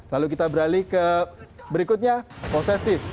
lalu kita beralih ke berikutnya posesif